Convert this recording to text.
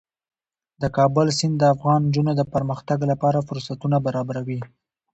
د کابل سیند د افغان نجونو د پرمختګ لپاره فرصتونه برابروي.